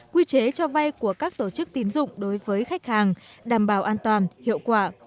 quy chế cho vay của các tổ chức tín dụng đối với khách hàng đảm bảo an toàn hiệu quả